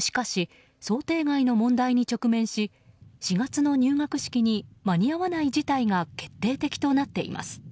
しかし、想定外の問題に直面し４月の入学式に間に合わない事態が決定的となっています。